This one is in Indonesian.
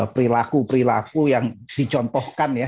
perilaku perilaku yang dicontohkan ya